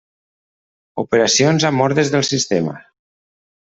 Operacions amb ordres del sistema.